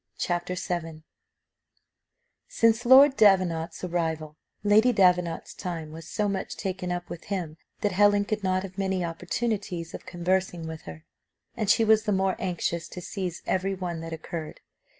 CHAPTER VII Since Lord Davenant's arrival, Lady Davenant's time was so much taken up with him, that Helen could not have many opportunities of conversing with her, and she was the more anxious to seize every one that occurred.